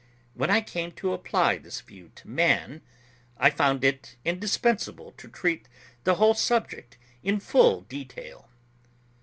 When I came to apply this view to man, I found it indispensable to treat the whole subject in full detail.